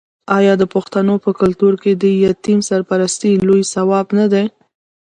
آیا د پښتنو په کلتور کې د یتیم سرپرستي لوی ثواب نه دی؟